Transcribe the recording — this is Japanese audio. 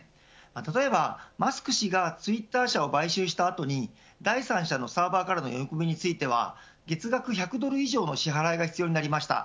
例えばマスク氏がツイッター社を買収した後に第三者のサーバからの読み込みについては月額１００ドル以上の支払いが必要になりました。